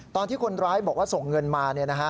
ตอนที่คนร้ายบอกว่าส่งเงินมา